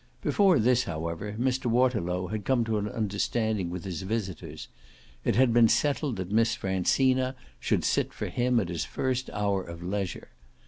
Before this, however, Mr. Waterlow had come to an understanding with his visitors it had been settled that Miss Francina should sit for him at his first hour of leisure.